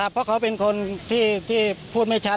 เพราะเขาเป็นคนที่พูดไม่ชัด